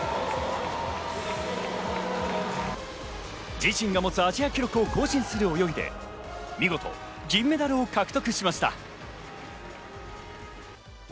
自身が持つアジア記録を更新する泳ぎで見事、銀メダルを獲得しました。